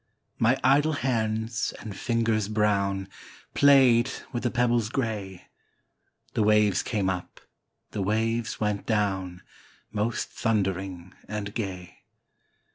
My idle hands and fingers brown Played with the pebbles grey; The waves came up, the waves went down, Most thundering and gay.